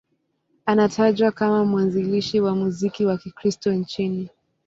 Anatajwa kama mwanzilishi wa muziki wa Kikristo nchini.